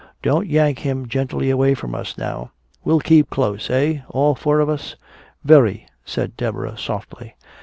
Don't yank him gently away from us now. We'll keep close eh? all four of us." "Very," said Deborah softly.